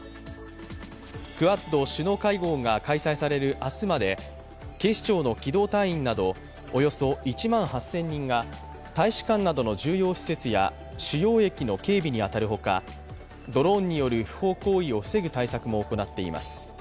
クアッド首脳会合が開催される明日まで警視庁の機動隊員などおよそ１万８０００人が大使館などの重要施設や主要駅の警備に当たるほかドローンによる不法行為を防ぐ対策も行っています。